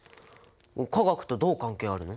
化学とどう関係あるの？